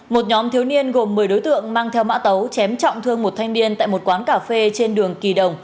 một nhóm thiếu niên gồm một mươi đối tượng mang theo mã tấu chém trọng thương một thanh niên tại một quán cà phê trên đường kỳ đồng